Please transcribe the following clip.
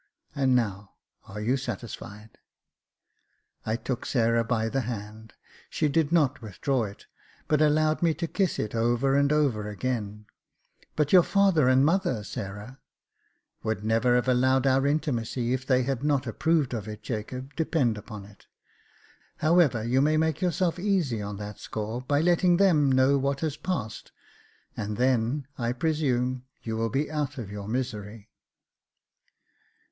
And now are you satisfied .''" I took Sarah by the hand : she did not withdraw it, but allowed me to kiss it over and over again. *' But your father and mother, Sarah ?"" Would never have allowed our intimacy if they had not approved of it, Jacob, depend upon it. However, you may make yourself easy on that score, by letting them know what has passed ; and then, I presume, you will be out of your misery."